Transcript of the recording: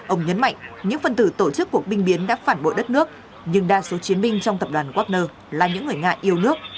ông nhấn mạnh những phần tử tổ chức cuộc binh biến đã phản bội đất nước nhưng đa số chiến binh trong tập đoàn wagner là những người ngại yêu nước